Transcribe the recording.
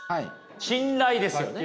信頼ですよね。